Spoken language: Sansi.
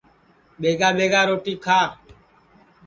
ٻیگا ٻیگا روٹی کھا